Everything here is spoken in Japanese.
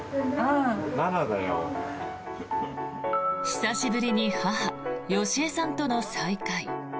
久しぶりに母・芳江さんとの再会。